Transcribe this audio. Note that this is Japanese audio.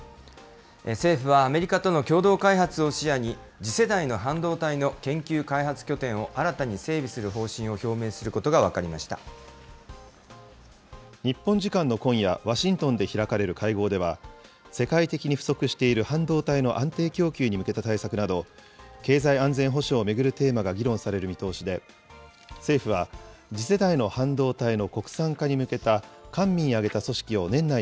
政府は、アメリカとの共同開発を視野に、次世代の半導体の研究開発拠点を新たに整備する方針を表明するこ日本時間の今夜、ワシントンで開かれる会合では、世界的に不足している半導体の安定供給に向けた対策など、経済安全保障を巡るテーマが議論される見通しで、政府は、次世代の半導体の国産化に向けた、官民挙げた組織を年内